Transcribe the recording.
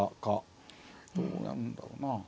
どうやるんだろうな。